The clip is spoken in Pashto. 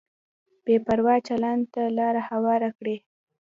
بې پروا چلند ته لار هواره کړي.